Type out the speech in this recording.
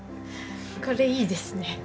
これいいですね。